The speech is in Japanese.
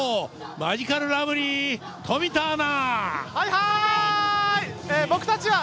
マヂカルラブリー！冨田アナ。